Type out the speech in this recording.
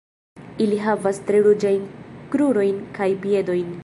Ili havas tre ruĝajn krurojn kaj piedojn.